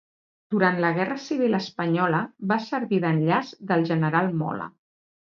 Durant la Guerra Civil Espanyola va servir d'enllaç del general Mola.